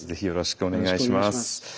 よろしくお願いします。